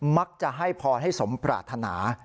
มักจะให้พรให้สมปรารถนา